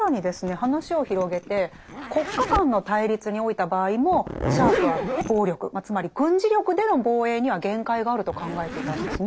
話を広げて国家間の対立においた場合もシャープは暴力つまり軍事力での防衛には限界があると考えていたんですね。